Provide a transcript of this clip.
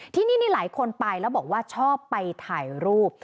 ที่นี่หลายคนไปแล้วบอกว่าชอบไปถ่ายรูป